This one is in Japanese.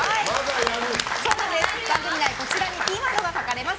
番組内で、こちらにキーワードが書かれます。